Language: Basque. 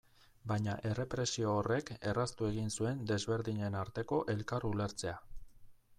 Baina errepresio horrek erraztu egin zuen desberdinen arteko elkar ulertzea.